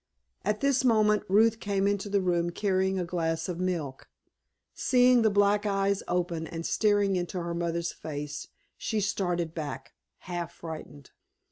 At this moment Ruth came into the room carrying a glass of milk. Seeing the black eyes open and staring into her mother's face she started back, half frightened.